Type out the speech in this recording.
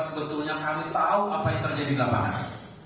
sebetulnya kami tahu apa yang terjadi di lapangan